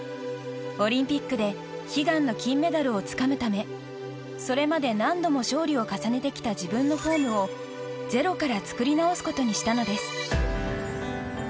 オリンピックで悲願の金メダルをつかむためそれまで何度も勝利を重ねてきた自分のフォームをゼロから作り直すことにしたのです。